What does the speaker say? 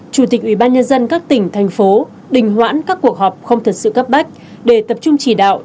chủ tịch ubnd các tỉnh thành phố đình hoãn các cuộc họp không thật sự cấp bách để tập trung chỉ đạo